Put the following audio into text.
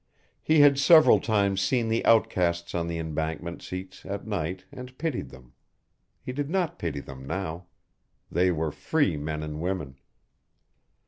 He had several times seen the outcasts on the embankment seats at night, and pitied them; he did not pity them now. They were free men and women.